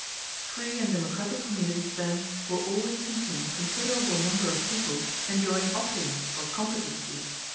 Free and democratic communities, then, will always contain a considerable number of people enjoying opulence or competency.